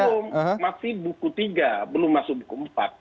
belum masih buku tiga belum masuk buku empat